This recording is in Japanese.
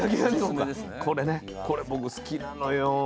これ僕好きなのよ。